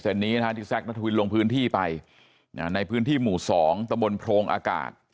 ทางนี้แซคนัทวินลงพื้นที่ไปในพื้นที่หมู่๒บรรโพงอากาศ